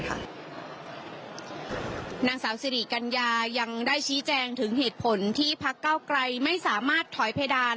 นางสาวสิริกัญญายังได้ชี้แจงถึงเหตุผลที่พักเก้าไกลไม่สามารถถอยเพดาน